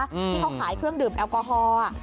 ที่เขาขายเครื่องดื่มแอลกอฮอล์